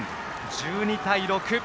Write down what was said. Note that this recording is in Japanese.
１２対６。